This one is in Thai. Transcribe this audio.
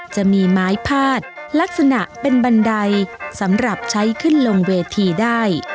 จะมีไม้พาดลักษณะเป็นบันไดสำหรับใช้ขึ้นลงเวทีได้